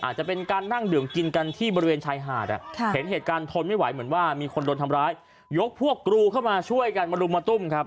อาจจะเป็นการนั่งดื่มกินกันที่บริเวณชายหาดเห็นเหตุการณ์ทนไม่ไหวเหมือนว่ามีคนโดนทำร้ายยกพวกกรูเข้ามาช่วยกันมารุมมาตุ้มครับ